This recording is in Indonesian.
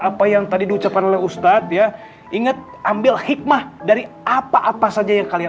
apa yang tadi diucapkan oleh ustadz ya ingat ambil hikmah dari apa apa saja yang kalian